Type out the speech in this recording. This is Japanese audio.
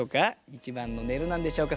１番の「寝る」なんでしょうか。